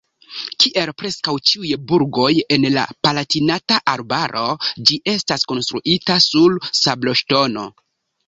Kiel preskaŭ ĉiuj burgoj en la Palatinata Arbaro ĝi estas konstruita sur sabloŝtono.